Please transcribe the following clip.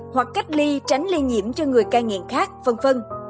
hoặc cách ly tránh ly nhiễm cho người ca nghiện khác v v